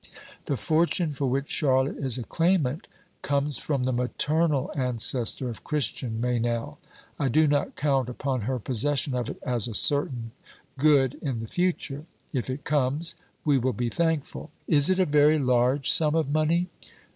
"The fortune for which Charlotte is a claimant comes from the maternal ancestor of Christian Meynell. I do not count upon her possession of it as a certain good in the future. If it comes we will be thankful." "Is it a very large sum of money?"